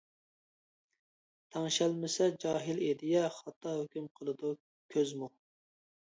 تەڭشەلمىسە جاھىل ئىدىيە، خاتا ھۆكۈم قىلىدۇ كۈزمۇ.